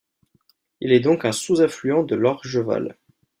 Il est donc un sous-affluent de l'Orgeval.